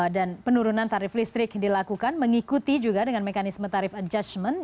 dan penurunan tarif listrik dilakukan mengikuti juga dengan mekanisme tarif adjustment